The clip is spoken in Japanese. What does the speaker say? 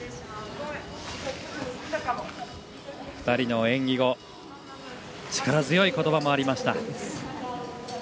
２人の演技後力強い言葉もありました。